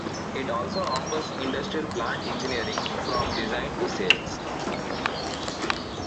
It also offers industrial plant engineering from design to sales.